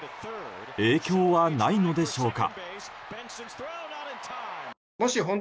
影響はないのでしょうか？